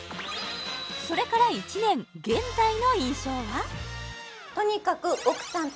それから１年現在の印象は？